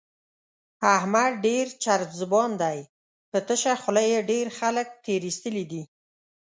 احمد ډېر چرب زبان دی، په تشه خوله یې ډېر خلک تېر ایستلي دي.